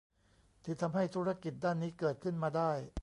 ที่ทำให้ธุรกิจด้านนี้เกิดขึ้นมาได้